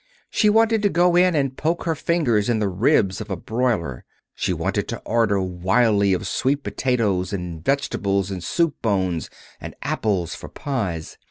She wanted to go in and poke her fingers in the ribs of a broiler. She wanted to order wildly of sweet potatoes and vegetables, and soup bones, and apples for pies.